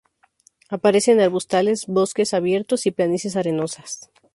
Aparece en arbustales, bosques abiertos y planicies arenosas.